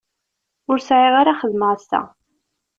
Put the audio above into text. Ur sεiɣ ara xedmeɣ assa.